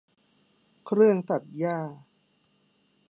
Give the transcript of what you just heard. เครื่องตัดหญ้า